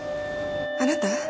あなた？